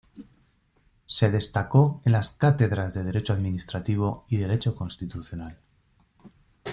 Se destacó en las cátedras de Derecho Administrativo y Derecho Constitucional.